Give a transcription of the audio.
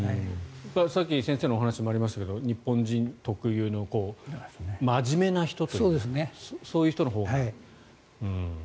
さっき先生のお話にもありましたが日本人特有の真面目な人というかそういう人のほうが。